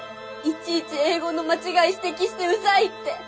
いちいち英語の間違い指摘してうざいって。